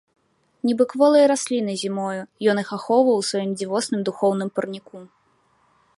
Нібы кволыя расліны зімою, ён іх ахоўваў у сваім дзівосным духоўным парніку.